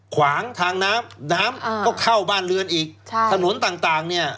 ขวางทางน้ำน้ำอ่าก็เข้าบ้านเรือนอีกใช่ถนนต่างต่างเนี่ย